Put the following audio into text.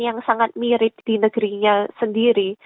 yang sangat mirip di negerinya sendiri